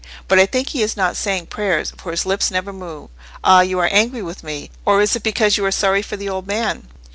But I think he is not saying prayers, for his lips never move;—ah, you are angry with me, or is it because you are sorry for the old man?"